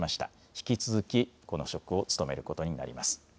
引き続きこの職を務めることになります。